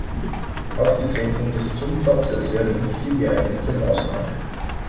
Auch die Senkung des Zinssatzes wäre nicht die geeignete Maßnahme.